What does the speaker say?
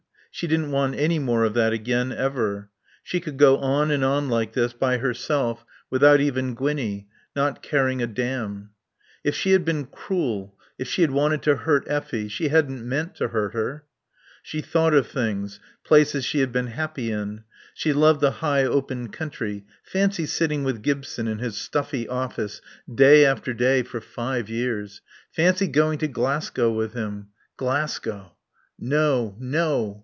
She didn't want any more of that again, ever. She could go on and on like this, by herself, without even Gwinnie; not caring a damn. If she had been cruel if she had wanted to hurt Effie. She hadn't meant to hurt her. She thought of things. Places she had been happy in. She loved the high open country. Fancy sitting with Gibson in his stuffy office, day after day, for five years. Fancy going to Glasgow with him. Glasgow No. No.